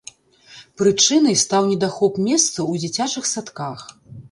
Прычынай стаў недахоп месцаў у дзіцячых садках.